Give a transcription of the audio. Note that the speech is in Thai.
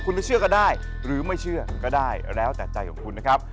คุณจะเชื่อก็ได้หรือไม่เชื่อก็ได้แล้วแต่ใจของคุณนะครับ